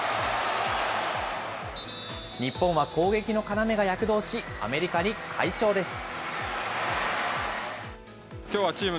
日本は攻撃の要が躍動し、アメリカに快勝です。